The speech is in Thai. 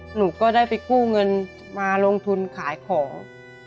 หนูก็ได้ไปกู้เงินมาลงทุนขายของ